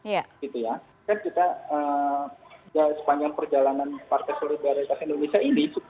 kan kita sepanjang perjalanan partai solidaritas indonesia ini